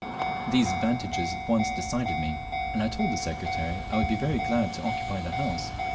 These advantages at once decided me, and I told the Secretary I would be very glad to occupy the house.